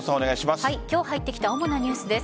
今日入ってきた主なニュースです。